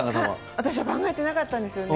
私は考えてなかったんですよね。